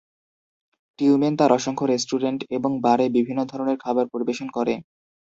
টিউমেন তার অসংখ্য রেস্টুরেন্ট এবং বারে বিভিন্ন ধরনের খাবার পরিবেশন করে।